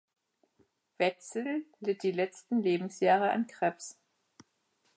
Wetzel litt die letzten Lebensjahre an Krebs.